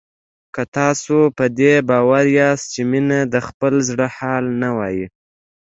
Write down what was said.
که تاسو په دې باور یاست چې مينه د خپل زړه حال نه وايي